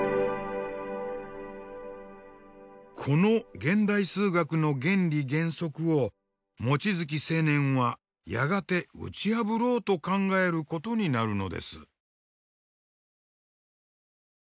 この現代数学の原理原則を望月青年はやがて打ち破ろうと考えることになるのです。